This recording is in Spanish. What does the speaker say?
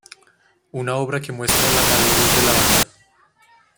Una obra que muestra la madurez de la banda.